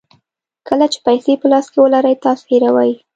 کله چې پیسې په لاس کې ولرئ تاسو هیروئ.